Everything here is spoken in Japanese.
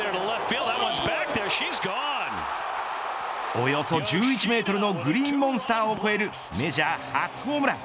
およそ１１メートルのグリーンモンスターを越えるメジャー初ホームラン。